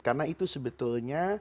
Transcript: karena itu sebetulnya